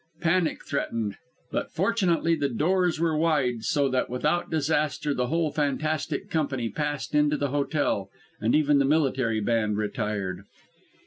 Panic threatened, but fortunately the doors were wide, so that, without disaster the whole fantastic company passed into the hotel; and even the military band retired.